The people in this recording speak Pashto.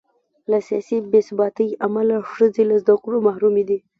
له سیاسي بې ثباتۍ امله ښځې له زده کړو محرومې دي.